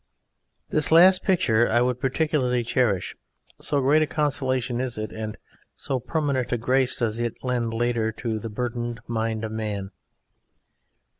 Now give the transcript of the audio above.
This last picture I would particularly cherish, so great a consolation is it, and so permanent a grace does it lend later to the burdened mind of a man.